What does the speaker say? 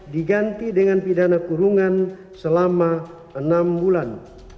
diganti dengan pidana kurungan selama enam bulan